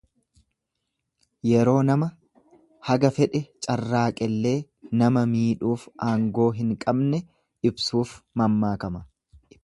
Yeroo nama haga fedhe carraaqellee nama miidhuuf aangoo hin qabne ibsuuf mammaakama.